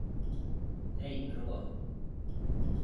Ej prom.